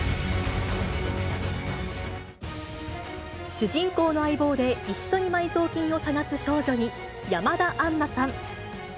主人公の相棒で、一緒に埋蔵金を探す少女に山田杏奈さん。